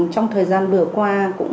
trong thời gian vừa qua